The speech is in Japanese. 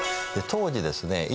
当時ですね